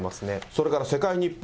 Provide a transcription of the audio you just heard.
それから世界日報。